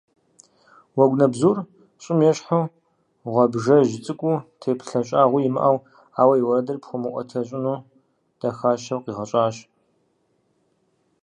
Уэгунэбзур щӏым ещхьу гъуабжэжь цӏыкӏуу, теплъэ щӏагъуи имыӏэу, ауэ и уэрэдыр пхуэмыӏуэтэщӏыну дахащэу къигъэщӏащ.